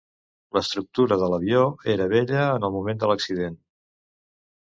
L'estructura de l'avió era vella en el moment de l'accident.